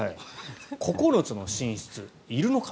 ９つの寝室、いるのか。